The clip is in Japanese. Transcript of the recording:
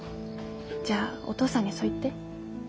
じゃあお父さんにそう言って。